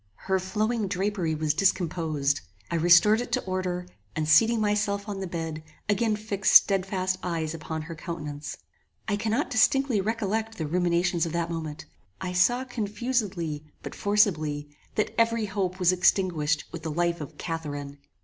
Her flowing drapery was discomposed. I restored it to order, and seating myself on the bed, again fixed stedfast eyes upon her countenance. I cannot distinctly recollect the ruminations of that moment. I saw confusedly, but forcibly, that every hope was extinguished with the life of CATHARINE.